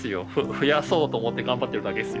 増やそうと思って頑張ってるだけですよ。